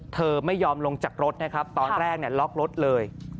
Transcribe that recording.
เธอไม่ยอมลงจากรถนะครับตอนแรกล็อกรถเลย